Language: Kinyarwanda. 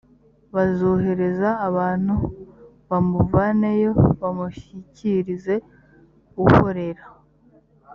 bazohereze abantu bamuvaneyo bamushyikirize uhorera